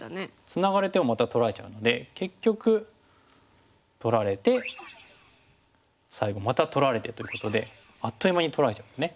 ツナがれてもまた取られちゃうので結局取られて最後また取られてということであっという間に取られちゃいますね。